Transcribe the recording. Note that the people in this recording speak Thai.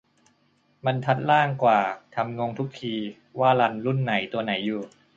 บรรทัดล่างกว่า ทำงงทุกที ว่ารันรุ่นไหนตัวไหนอยู่